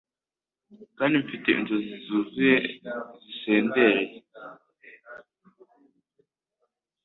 Kandi mfite inzozi zuzuye zisendreye